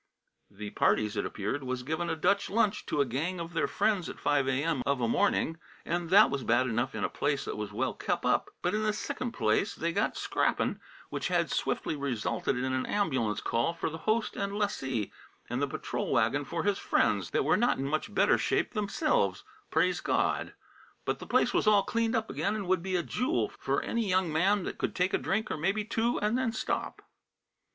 The parties, it appeared, was givin' a Dutch lunch to a gang of their friends at 5 A.M. of a morning, and that was bad enough in a place that was well kep' up; but in the sicin' place they got scrappin', which had swiftly resulted in an ambulance call for the host and lessee, and the patrol wagon for his friends that were not in much better shape thimselves, praise Gawd. But the place was all cleaned up again and would be a jool f'r anny young man that could take a drink, or maybe two, and then stop.